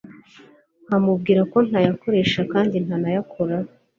nkamubwira ko ntayakoresha kandi ntanayakoraho